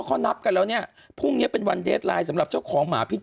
คนแชร์เรื่องพี่หนุ่มเยอะมากวันนี้น้องเห็นของพี่อะ